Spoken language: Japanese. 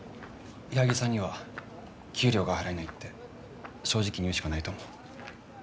・矢作さんには給料が払えないって正直に言うしかないと思う。